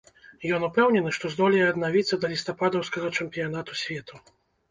Ён упэўнены, што здолее аднавіцца да лістападаўскага чэмпіянату свету.